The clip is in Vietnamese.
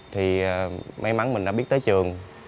thì may mắn mình đã biết tới trường